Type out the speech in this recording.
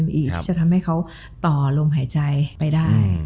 อีกที่จะทำให้เขาต่อลมหายใจไปได้